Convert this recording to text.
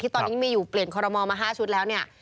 ตอนนี้มีอยู่เปลี่ยนคอรมอลมา๕ชุดแล้วเนี่ย